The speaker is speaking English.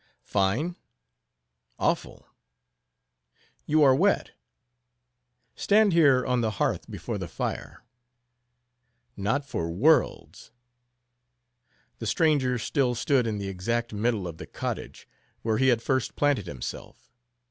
"Fine?—Awful!" "You are wet. Stand here on the hearth before the fire." "Not for worlds!" The stranger still stood in the exact middle of the cottage, where he had first planted himself.